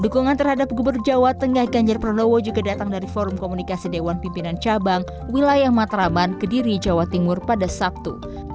dukungan terhadap gubernur jawa tengah ganjar pranowo juga datang dari forum komunikasi dewan pimpinan cabang wilayah matraman kediri jawa timur pada sabtu